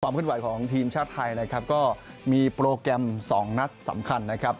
ขึ้นไหวของทีมชาติไทยนะครับก็มีโปรแกรมสองนัดสำคัญนะครับ